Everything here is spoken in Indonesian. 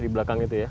di belakang itu ya